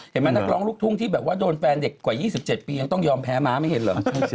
เห็นไหมนักร้องลูกทุ้งที่โดนแฟนเด็กกว่า๒๗ปียังต้องยอมแพ้ม้าไม่เห็นเหรอ